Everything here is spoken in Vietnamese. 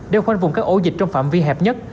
đều khoanh vùng các ổ dịch trong phạm vi hẹp nhất